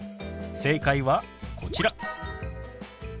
正解はこちら。